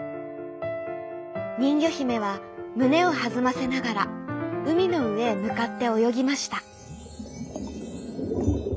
にんぎょひめはむねをはずませながらうみのうえへむかっておよぎました。